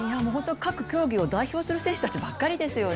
各競技を代表する選手たちばっかりですよね。